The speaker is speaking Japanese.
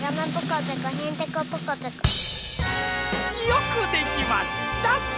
よくできました！